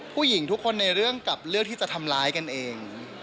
ผู้หญิงทุกคนในเรื่องกับเลือกที่จะทำร้ายกันเอง